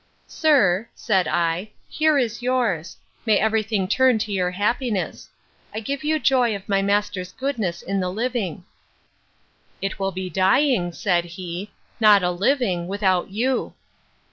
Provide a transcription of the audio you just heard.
—Sir, said I, here is yours: May every thing turn to your happiness! I give you joy of my master's goodness in the living.—It will be dying, said he, not a living, without you.